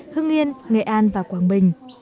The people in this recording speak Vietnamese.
hưng yên nghệ an và quảng bình